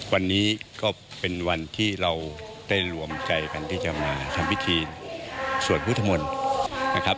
วันนี้ก็เป็นวันที่เราได้รวมใจกันที่จะมาทำพิธีสวดพุทธมนต์นะครับ